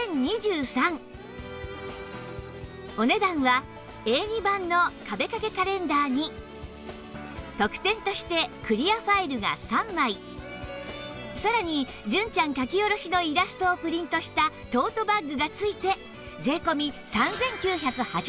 お値段は Ａ２ 版の壁掛けカレンダーに特典としてクリアファイルが３枚さらに純ちゃん描き下ろしのイラストをプリントしたトートバッグが付いて税込３９８０円